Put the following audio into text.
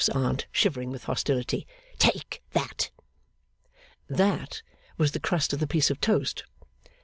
's Aunt, shivering with hostility. 'Take that.' 'That' was the crust of the piece of toast.